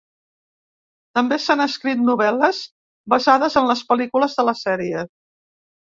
També s'han escrit novel·les basades en les pel·lícules de la sèrie.